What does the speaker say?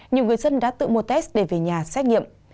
nhiều người dân đã tự mua test để về nhà xét nghiệm